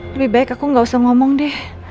lebih baik aku gak usah ngomong deh